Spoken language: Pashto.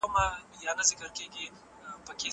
زه بايد امادګي ونيسم!!